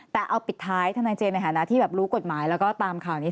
แต่เอาปิดท้ายท่านายเจนที่รู้กฎหมายแล้วก็ตามข่าวนี้